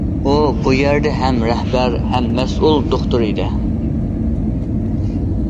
ئۇ، بۇ يەردە ھەم رەھبەر، ھەم مەسئۇل دوختۇر ئىدى.